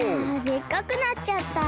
でっかくなっちゃった！